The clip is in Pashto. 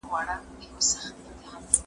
مرګ له رنځونو څخه خلاصون دی.